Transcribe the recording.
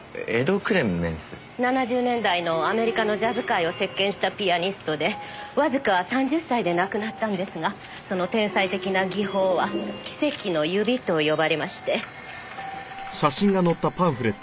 ７０年代のアメリカのジャズ界を席巻したピアニストでわずか３０歳で亡くなったんですがその天才的な技法は「奇跡の指」と呼ばれまして。